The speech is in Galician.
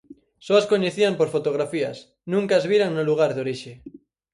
Só as coñecían por fotografías, nunca as viran no lugar de orixe.